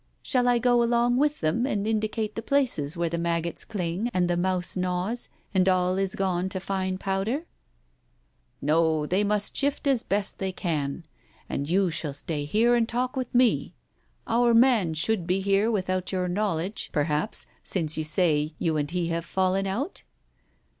"Shall I go along with them, and indicate the places where the maggots cling and the mouse gnaws, and all is gone to fine powder ?" "No, they must shift as best they can, and you shall stay here and talk with me. Our man should be here, without your knowledge, perhaps, since you say you and he have fallen out